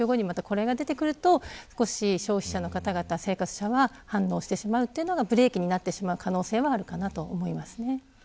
選挙後にこれが出てくると少し消費者の方々、生活者は反応してしまうというのがブレーキになる可能性はあると思います。